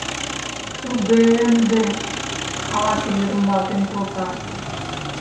— Туге-е ынде! — ала-кӧ йырымлалтен колта.